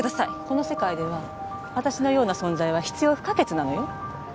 この世界では私のような存在は必要不可欠なのよ。